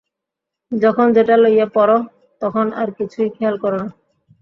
যখন যেটা লইয়া পড়, তখন আর-কিছুই খেয়াল কর না।